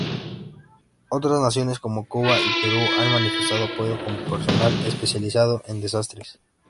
Otras naciones como Cuba y Perú han manifestado apoyo con personal especializado en desastres.